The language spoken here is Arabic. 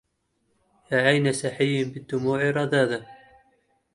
يا عين سحي بالدموع رذاذا